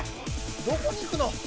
どこに行くの？